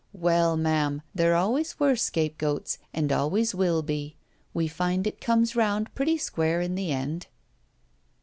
Well, ma'am, there always were scapegoats, and always will be; we find it comes round pretty square in the end.